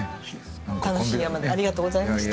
楽しい山でありがとうございました。